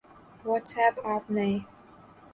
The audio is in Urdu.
واٹس ایپ آپ نئے